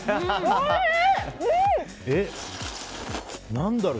何だろう？